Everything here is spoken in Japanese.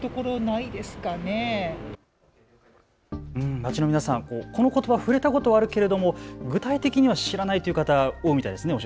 街の皆さん、このことば、触れたことはあるけれども具体的には知らないという方、多いみたいですね。